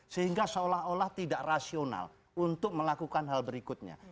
sehingga seolah olah tidak rasional untuk melakukan hal berikutnya